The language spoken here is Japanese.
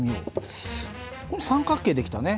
これ三角形出来たね。